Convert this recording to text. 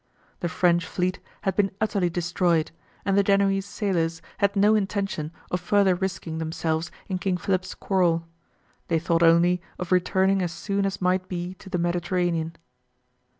The French fleet had been utterly destroyed, and the Genoese sailors had no intention of further risking themselves in King Philip's quarrel. They thought only of returning as soon as might be to the Mediterranean.